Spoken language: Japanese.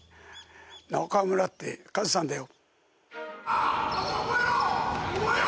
中村ってカズさんだよ。